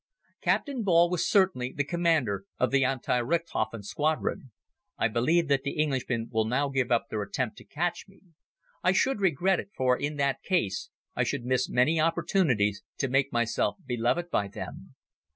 Captain Ball was certainly the commander of the Anti Richthofen Squadron. I believe that the Englishmen will now give up their attempt to catch me. I should regret it, for in that case, I should miss many opportunities to make myself beloved by them.